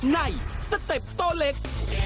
นายสเต็ปตอเล็ก